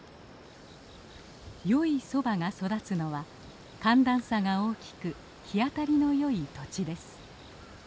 よいソバが育つのは寒暖差が大きく日当たりのよい土地です。